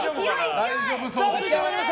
大丈夫そうでした。